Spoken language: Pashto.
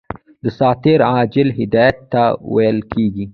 دساتیر عاجل هدایت ته ویل کیږي.